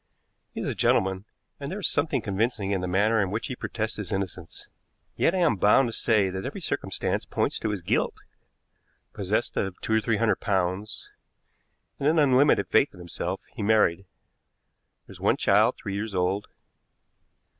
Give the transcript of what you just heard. He is a gentleman, and there is something convincing in the manner in which he protests his innocence. Yet I am bound to say that every circumstance points to his guilt. Possessed of two or three hundred pounds, and an unlimited faith in himself, he married. There is one child, three years old.